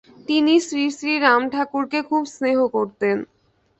তিনি শ্রীশ্রী রামঠাকুরকে খুব স্নেহ করতেন।